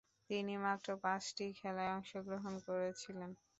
তিনি মাত্র পাঁচটি খেলায় অংশগ্রহণ করেছিলেন।